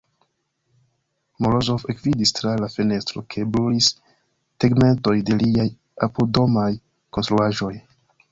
Morozov ekvidis tra la fenestro, ke brulis tegmentoj de liaj apuddomaj konstruaĵoj.